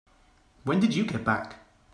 When did you get back?